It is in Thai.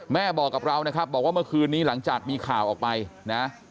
แม่บอกกับเรานะครับบอกว่าเมื่อคืนนี้หลังจากมีข่าวออกไปนะ